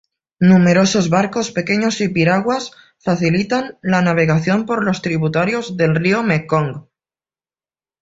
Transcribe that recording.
Numerosos barcos pequeños y piraguas facilitan la navegación por los tributarios del río Mekong.